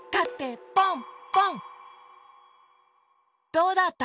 どうだった？